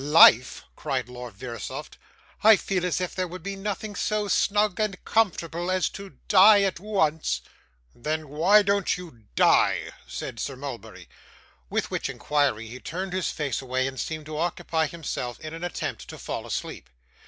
'Life!' cried Lord Verisopht. 'I feel as if there would be nothing so snug and comfortable as to die at once.' 'Then why don't you die?' said Sir Mulberry. With which inquiry he turned his face away, and seemed to occupy himself in an attempt to fall asleep.